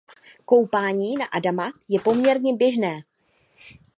Koupání „na Adama“ je poměrně běžné.